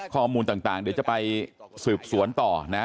ข้อมูลต่างเดี๋ยวจะไปสืบสวนต่อนะ